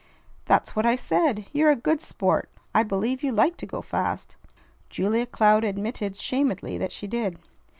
"That's what I said. You're a good sport. I believe you like to go fast." Julia Cloud admitted shamedly that she did.